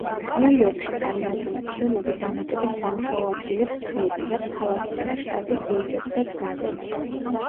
ნიუ-იორკში წარმოებული ფილმები დამატებით სამუშაო ადგილებს ქმნის, რაც ქალაქისა და შტატის ბიუჯეტსაც გაზრდის.